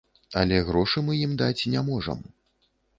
Але грошы мы ім даць не можам.